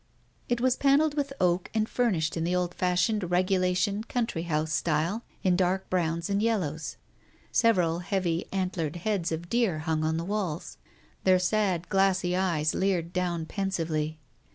It was panelled with oak and furnished in the old fashioned regulation country house style in dark browns and yellows. Several heavy antlered heads of deer hung on the walls. Their sad, glassy eyes leered down pen sively.